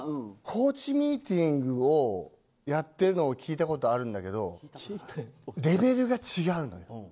コーチミーティングをやっているのを聞いたことがあるんだけどレベルが違うのよ。